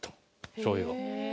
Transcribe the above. しょう油を。